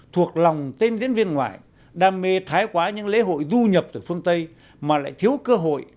thuộc lòng tên diễn viên ngoại đam mê thái quá những lễ hội du nhập từ phương tây mà lại thiếu cơ hội